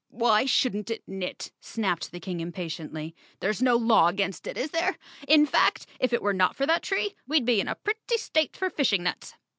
"Why shouldn't it knit?" snapped the King im¬ patiently. "There's no law against it, is there? In fact, if it were not for that tree, we'd be in a pretty state for fishing nets."